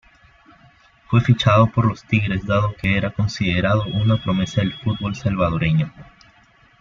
Fue fichado por los Tigres dado que era considerado una promesa del fútbol salvadoreño.